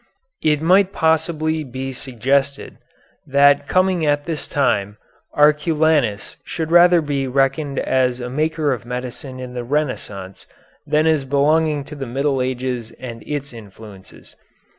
It might possibly be suggested that coming at this time Arculanus should rather be reckoned as a Maker of Medicine in the Renaissance than as belonging to the Middle Ages and its influences.